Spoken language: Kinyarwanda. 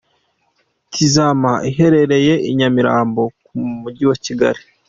Tizama iherereye i Nyamirambo mu mujyi wa Kigali.